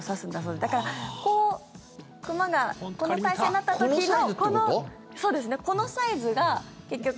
だから、こう熊がこの体勢になった時のこのサイズが結局。